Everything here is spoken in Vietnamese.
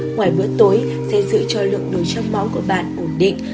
ngoài bữa tối sẽ giữ cho lượng đồi trong máu của bạn ổn định